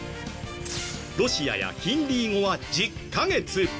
ロシアやヒンディー語は１０カ月